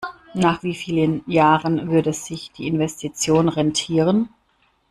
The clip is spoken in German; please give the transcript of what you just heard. Nach wie vielen Jahren würde sich die Investition rentieren?